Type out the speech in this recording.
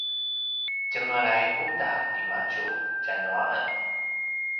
tjengelay uta timadju tjanu a en